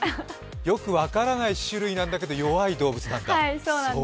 よく分からない種類なんだけど、弱い動物なんだ。